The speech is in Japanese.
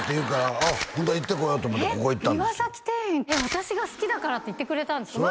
私が好きだからって行ってくれたんですか？